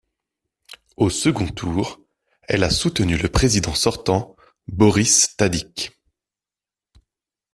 Au second tour, elle a soutenu le président sortant Boris Tadic.